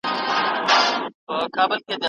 هغه هیوادونه چي ښه پلانونه لري ژر پرمختګ کوي.